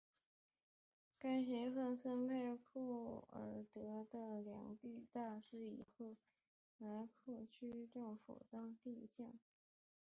该协议分配给库尔德人的领地大致与后来库区政府的领地相当。